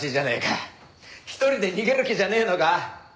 １人で逃げる気じゃねえのか？